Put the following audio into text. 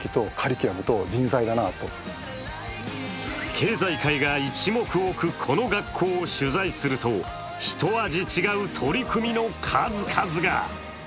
経済界が一目置くこの学校を取材すると一味違う取り組みの数々が。